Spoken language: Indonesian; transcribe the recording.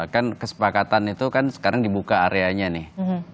kan kesepakatan itu kan sekarang dibuka areanya nih